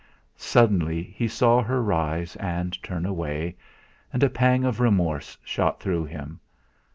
Suddenly he saw her rise and turn away, and a pang of remorse shot through him.